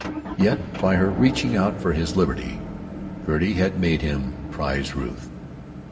Yet by her reaching out for his liberty Gertie had first made him prize Ruth.